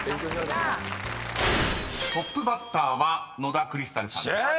［トップバッターは野田クリスタルさんです］